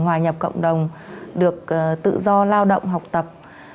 hòa nhập cộng đồng được tự do lao động học tập